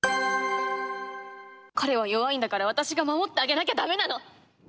彼は弱いんだから私が守ってあげなきゃだめなの。